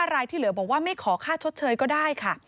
รายที่เหลือบอกว่าไม่ขอค่าชดเชยก็ได้ค่ะ